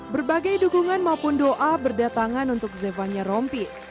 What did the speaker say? berbagai dukungan maupun doa berdatangan untuk zevanya rompis